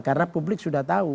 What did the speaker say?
karena publik sudah tahu